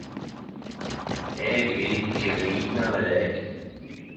Eg vil grina med deg